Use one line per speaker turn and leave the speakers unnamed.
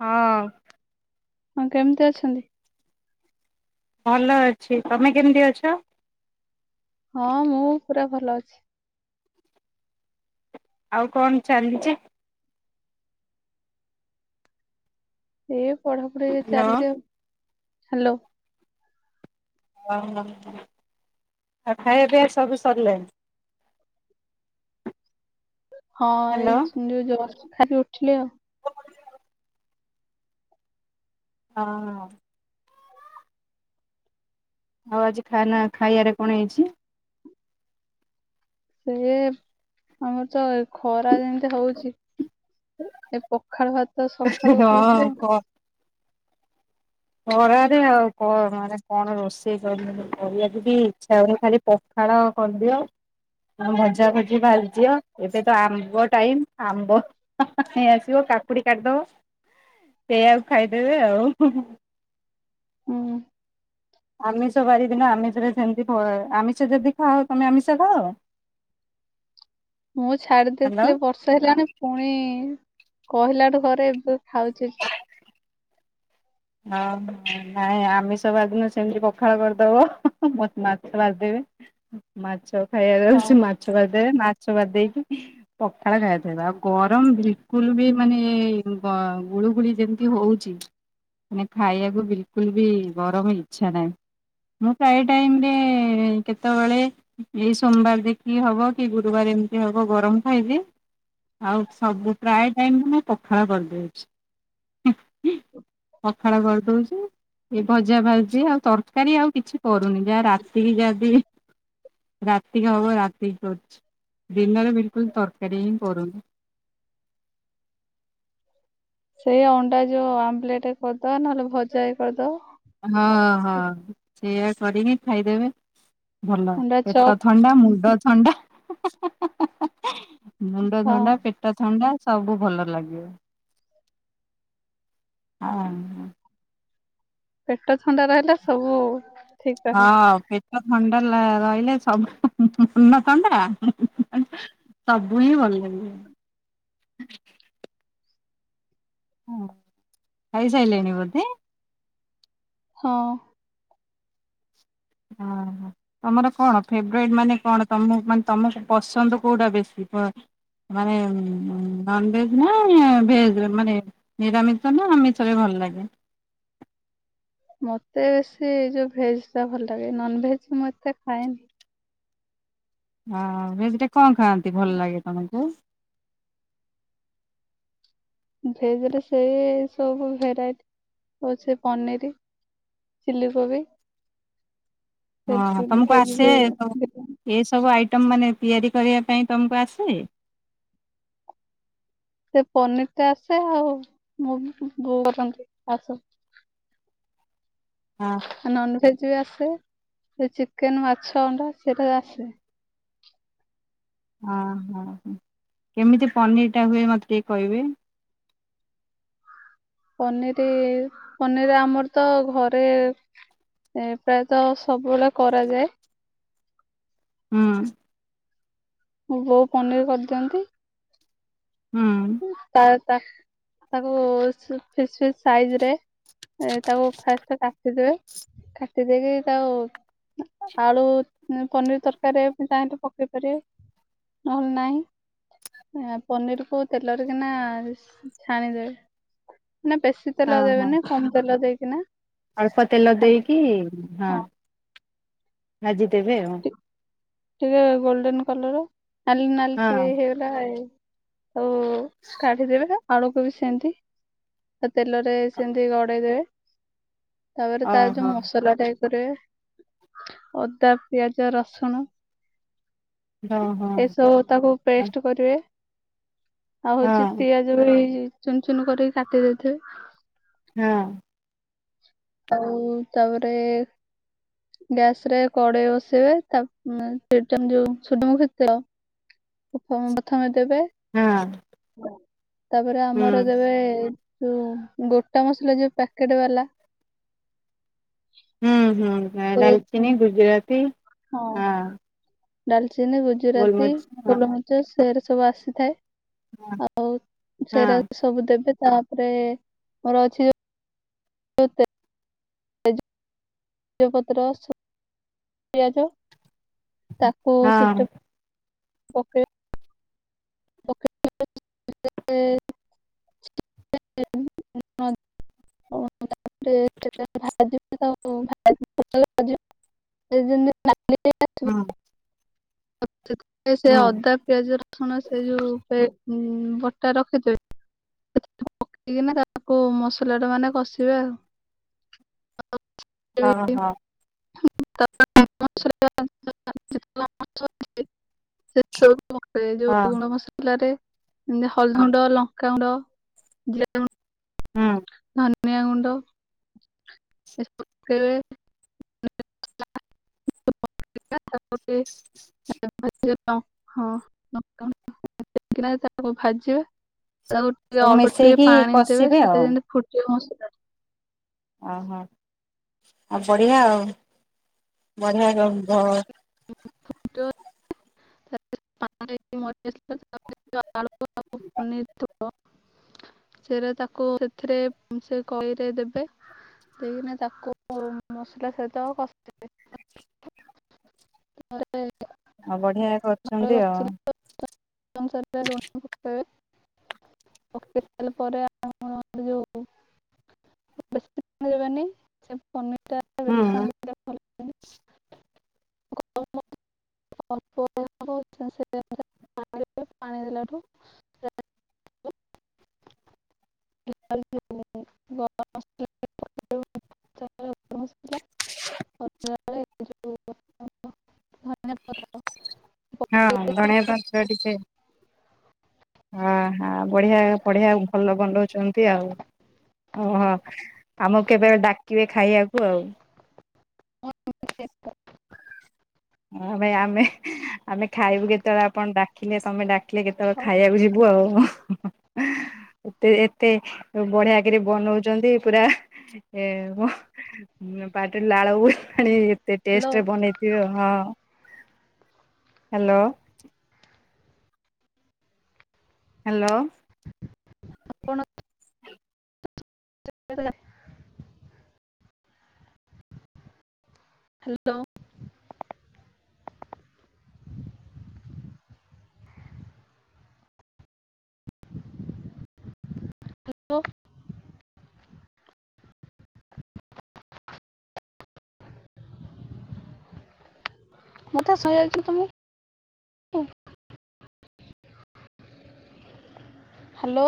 ହଁ।
ହଁ କେମିତି ଅଛନ୍ତି?
ଭଲ ଅଛି ତମେ କେମିତି ଅଛ?
ହଁ ମୁଁ ପୁରା ଭଲ ଅଛି।
ଆଉ କଣ ଚାଲିଛି?
ଏଇ ପଢାପଢି
ହ୍ୟାଲୋ।
ଚାଲିଛି ଆଉ ହାଲୋ।
ଓହୋ ଆଉ ଖାଇବା ପିଇବା ସବୁ ସରିଲାଣି?
[inaudible] ହଁ
ହ୍ୟାଲୋ।
ଏଇ ଯୋଉ ଜଷ୍ଟ ଖାଇକି ଉଠିଲି ଆଉ।
ହଁ ହଁ। ଆଉ ଆଜି ଖାନା ଖାଇବାରେ କଣ ହେଇଛି?
ସେ ଆମର ତ ଏ ଖରା ଯେମିତି ହଉଛି। ଏ ପଖାଳ ଭାତ ସଖାଳୁ
ହଁ
ଖାଉଛୁ।
କ ଖରାରେ ଆଉ କଣ ମାନେ କଣ ରୋଷେଇ କରୀମୁ କରିବାକୁ ବି ଇଚ୍ଛା ହଉନି ଖାଲି ପ ଖାଳ କରିଦିଅ। ଭଜା ଭଜି ଭାଜିଦିଅ ଏବେ ତ ଆମ୍ବ ଟାଇମ ଆମ୍ବ ନେଇ ଆସିବ। କାକୁଡି କାଟିିଦବ ସେଇଆକୁ ଖାଇଦେବେ ଆଉ ହୁଁ ହୁଁ।
ହୁଁ।
ଆମିଷ ବାରିଦିନ ଆମିଷରେ ସେମିତି ଭ ଆମିଷ ଯଦି ଖାଅ। ତମେ ଆମିଷ ଖାଅ?
ମୁଁ ଛାଡି
ହ୍ୟାଲୋ।
ଦେଇଥିଲି ବର୍ଷେ ହେଲାଣି ପୁଣି। କହିଲା ଠୁ ଘରେ ଏବେ ଖାଉଛି।
ହଁ ନାଇଁ ଆମିଷ ବାର ଦିନ ସେମତି ପଖାଳ କରିଦବ ହଁ ହଁ ମତ ମାଛ ଭାଜିଦେବେ। ମାଛ ଖାଇବା
ହଁ
ଯାଉଛି ମାଛ ଭାଜ ଦେବେ ମା ଛ ଭାଜି ଦେଇକି ପଖାଳ ଖାଇଦେବେ ଆଉ ଗରମ ବିଲକୁଲ ବି ମାନେ ଏଇ ଗ ଗୁ ଗୁଳୁଗୁଳି ଯେମତି ହଉଛି ମାନେ ଖାଇବାକୁ ବିଲକୁଲ ବି ଗରମ ଇଚ୍ଛା ନାହିଁ। ମୁଁ ପ୍ରାଏ ଟାଇମରେ କେତେବେଳେ ଏଇ ସୋମବାର ଦେଖି ହବ କି ଗୁରୁବାରେ। ଏମତି ହବ ଗରମ ଖାଇବି। ଆଉ ସବୁ ପ୍ରାୟ ଟାଇମ ଆମେ ପଖାଳ କରିଦଉଛି ହୁଁ। ପଖାଳ କରିଦଉଛି। ଏ ଭଜା ଭାଜି ଆଉ ତରକାରୀ ଆଉ କିଛି କରୁନି ଯାହା ରାତିକି ଯାହା ବି। ରାତୀ କି ହବ ରାତିକି କରୁଛି। ଦିନରେ ବିଲକୁଲ ତରକାରୀ ହିଁ କରୁନି।
[inaudible] ସେଇ ଅଣ୍ଡା ଯୋଉ ଆମ୍ବଲେଟ କରିଦବ ନହେଲେ ଭଜା କରିଦବ।
ହଁ ହଁ ସେଇୟା କରିକି ଖାଇଦେବେ। ଭଲ
ଅଣ୍ଡା
ପେଟ
ଚପ୍
ଥଣ୍ଡା ମୁଣ୍ଡ ଥଣ୍ଡା ହାଁ ହାଁ ହାଁ ହାଁ ହାଁ ହାଁ ହେଁ। ମୁଣ୍ଡ
ହଁ
ଥଣ୍ଡା ପେଟ ଥଣ୍ଡା। ସବୁ ଭଲ ଲାଗେ ଆ ହା।
ପେଟ ଥଣ୍ଡା ରହିଲା ସବୁ। ଠିକ
ହଁ
ରହେ।
ପେଟ ଥଣ୍ଡା ଲ ରହିଲେ ସବୁ ହୁଁ ହୁଁ ହୁଁ ମୁଣ୍ଡ ଥଣ୍ଡା ହୁଁ ହୁଁ ହୁଁ। ଆ ସବୁ ହିଁ ଭଲ ଲାଗିବ।
[inaudible]
ହଁ ଖାଇସାଇଲେଣି ବୋଧେ।
ହଁ।
ଓ ହୋ ତମର କଣ ଫେବରେଟ ମାନେ କଣ ତମ ମାନେ ତମକୁ ପସନ୍ଦ କୋଉଟା ବେଶୀ। ପ ମାନେ ଉଁ ନନ ଭେଜ ନା ଭେଜରେ ମାନେ ନିରାମିଷ ନା ଆମିଷରେ ଭଲ। ଭଲ ଲାଗେ।
[inaudible] ମତେ ବେଶୀ ଏଇ ଯୋଉ ଭେଜ ଟା ଭଲ ଲାଗେ ନନ ଭେଜ ମୁଁ ଏତେ ଖାଏନି।
ହଁ ଭେଜରେ କଣ ଖାଆନ୍ତି ଭଲ ଲାଗେ ତମକୁ?
ଭେଜ ରେ ସେଇ ସବୁ ଭେରାଇଟି ହୋଉଛି ପନିରି। ଚିଲି କୋବି। ସେ
ହଁ ତମକୁ
ଭେଜ
ଆସେ
ବି
ଏସବୁ ଆଇ ଟମ୍ ମାନେ ତିଆରି କରିବା ପାଇଁ ତମକୁ ଆସେ?
ସେ ପନିର ଟା ଆସେ ଆଉ ମୁଁ ବୋଉ କରନ୍ତି ଆଉ ସବୁ।
ହଁ
ନନଭେଜ ବି ଆସେ ସେ ଚିକେନ ମାଛ ଅଣ୍ଡା ସେଇଟା ଆସେ।
ଓ ହୋ ହ କେମିତି ପନିର ଟା ହୁଏ ମତେ ଟିକେ କହିବେ।
[inaudible] ପନିର ପନିର ଆମର ତ ଘରେ ଏ ପ୍ରାୟତଃ ସବୁବେଳେ କରାଯାଏ।
ହୁଁ
ହଁ ବୋଉ ପନିର କରିଦିଅନ୍ତି।
ହୁଁ
ତା ତା ତାକୁ ଫିସ୍ ଫିସ୍ ସାଇଜ ରେ ତାକୁ ଫାଷ୍ଟ କାଟିଦିଏ କାଟି ଦେଇକି ତାକୁ ଆଳୁ ପନିର ତରକାରୀ ଚାହିଲେ ପକେଇ ପାରିବେ ନହେଲେ ନାହିଁ ପନିର କୁ ତେଲରେ କିନା ଛାଣିଦବେ ନା ବେଶୀ
ହଁ
ତେଲ
ହଁ
ଦେବେନି କମ ତେଲ ଦେଇ
ଅଳ୍ପ ତେଲ ଦେଇକି ହଁ ଭାଜିଦେବେ ଆଉ।
ଟିକେ ଗୋଲଡେନ କଲର ନାଲି ନାଲି ଟିକେ ହେଇଗଲେ ହଉ କାଢ଼ି ଦେବେ। ଆଳୁକୁ ବି ସେମତି ତେଲରେ ସେମିତି ଗଡେଇ ଦେବେ। ତାପରେ ତାର ଯୋଉ
ହଁ
ମସଲା ଟା ଇଏ କରିବେ ଅଦା ପିଆଜ ରସୁଣ
ଓହୋ ଓହୋ
ଏସବୁ ତାକୁ ପେଷ୍ଟ କରିବେ। ଆଉ ହଉଛି
ହଁ
ପିଆଜ ବି ଚୁନ ଚୁନ କରିକି କାଟି ଦେଇେଇଥିବେ।
ହଁ।
ଆଉ ତାପରେ ଗ୍ୟାସ ରେ କଡେଇ ବସେଇବେ ତା ଚିମିଚଉ ସୂର୍ଯ୍ୟମୁଖୀ ତେଲ ଉ ପ୍ରଥମେ ଦେବେ
ହଁ
ତାପରେ
ହୁଁ
ଆମର ଦେବେ ତୁ ଗୋଟା ମସଲା ଯୋଉ ପ୍ୟାକେଟ ବାଲା
ହୁଁ ହୁଁ ହଁ
ସେ
ଡାଲଚିନୀ ଗୁଜୁରାତି
ହଁ ଡାଲଚିନି ଗୁଜୁରାତି
ଗୋଲମରିଚ ହଁ
ଗୋଲମରିଚ ସେରା ସବୁ ଆସିଥାଏ। ଆଉ
ହଁ
ସେରା ସବୁ ଦେବେ ତାପରେ ମୋର ଅଛି ଯୋ ଜଉ ତେ- ଜ ତେଜପତ୍ର ରସ ପିଆଜ ତାକୁ
ହଁ
ସେଥିରେ ପକେ [unintelligible] [inaudible] ତାପରେ ତେଲରେ ଭାଜିବା। [unintelligible]
ହଁ।
ସେଥିପାଇଁ ସେ
ହଁ
ଅଦା ପିଆଜ ରସୁଣ ସେ ଯୋଉ ପେଷ୍ଟ ହୁଁ ବଟା ରଖିଥିବେ [unintelligible] ପକେଇକିନା ତା କୁ ମସଲାଟା ମାନେ କଷିବେ ଆଉ।
ହଁ ହଁ।
[inaudible] ସେ ସବୁ ପକେଇବେ ଯୋଉ ଗୁଣ୍ଡ
ହଁ
ମସଲାରେ ଯିମିତି ହଳଦୀଗୁଣ୍ଡ, ଲଙ୍କାଗୁଣ୍ଡ, ଜୀରା ଗୁ
ହୁଁ।
ଧନିଆ ଗୁଣ୍ଡ ପକେଇବେ। [inaudible] ପରେ [inaudible] [inaudible] ତାକୁ ଟିକେ
ସବୁ
ଅଳ୍ପ ଟିକେ
ମିଶେଇକି
ପାଣି ଦେବେ
କଷିବେ
ସେଇଟା ଯେମିତି ଫୁଟିବ ଭଲସେ।
ଅହ ଆଉ ବଢିଆ ଆଉ ବଢିଆ ଗ ଗ
[inaudible] ଆଳୁ ଆଉ ପନିର୍ [inaudible] ସେରେ ତାକୁ ସେଥିରେ ଉ ସେ କରେଇରେ ଦେବେ। ଦେଇକିନା ତାକୁ ମସଲା ସହିତ କଷି ଦେବେ [inaudible] [inaudible]
ଆଉ ବଢିଆ
ସ୍ୱାଦ
କରୁଛନ୍ତି ଆଉ।
ଅନୁସାରେ ଲୁଣ ପକେଇବେ। ପକେଇ ସାଇଲା ପରେ ଆମର ଯୋଉ ବେଶୀ [inaudible] ବାନି ସେ ପନିର୍ ଟା
ହୁଁ।
ହୁଁ। [inaudible] ସେ [inaudible] [inaudible] ପାଣି ଦେଲାଠୁ [inaudible] ଗରମ ମସଲା ଟିକେ ପକେଇବ [inaudible] ମସଲା। [inaudible]
[inaudible]
ଧନିଆ ପତ୍ର
ହଁ ଧଣିଆ ପତ୍ର ହଁ ହଁ ବଢିଆ ବଢିଆ ଭଲ ବନଉଚନ୍ତି ଆଉ। ଓହୋ ଆମକୁ କେବେ ଡାକିବେ ଖାଇଆକୁ ଆଉ।
ହ୍ୟାଲୋ
ହଁ ଭାଇ ଆମେ ଆମେ ଖାଇବୁ କେତେବେଳେ ଆପଣ ଡାକିଲେ ସମେତ ଡା କିଏ କେତେବେଳେ ଖାଇଆକୁ ଯିବୁ ଆଉ ହ ହଁ ହଁ। ଏତେ ଏତେ ଉଁ ବଢିଆ କିରି ବନଉଚନ୍ତି ପୁରା ଏ ଅଁ ଉଁ ଅଁ ପାଟିରୁ ଲାଳ ବୋହିଲାଣି ଏତେ ଟେଷ୍ଟରେ ବନେଇଥିବ। Hello hello.
ଆପଣ [unintelligible] ହ୍ୟାଲୋ। ହ୍ୟାଲୋ। ମୋତେ ସେଇ ଆଇଥିଲେ ତ ମୁଁ ଉଁ ହାଲୋ।